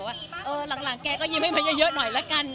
บอกว่าเออหลังแกก็ยินไม่มาเยอะหน่อยละกัน